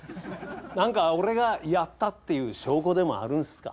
何か俺がやったっていう証拠でもあるんすか？